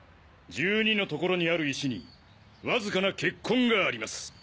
「１２」の所にある石にわずかな血痕があります。